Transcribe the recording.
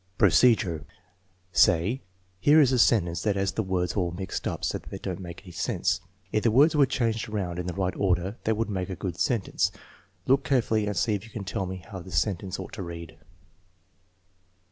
Procedure. Say: "Here is a sentence that has the words M mixed up so that they don't make any sense. If the words 1 See scoring card. TEST NO. XH, 4 287 were changed around in the right order they would make a good sentence. Look carefully and see ij you can tell me how the sentence ought to read.